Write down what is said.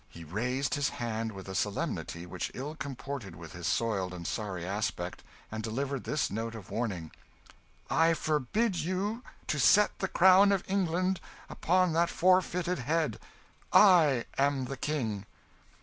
He raised his hand with a solemnity which ill comported with his soiled and sorry aspect, and delivered this note of warning "I forbid you to set the crown of England upon that forfeited head. I am the King!"